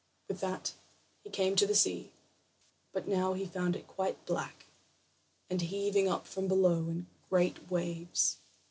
With that he came to the sea, but now he found it quite black, and heaving up from below in great waves.